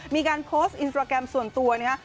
มีการโพสต์อินสตราแกรมส่วนตัวนะครับ